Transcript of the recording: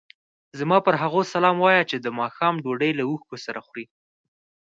زما پر هغو سلام وایه چې د ماښام ډوډۍ له اوښکو سره خوري.